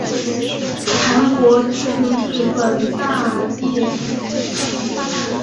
韩国驻日本大使列表列出历任所有驻日本的韩国大使。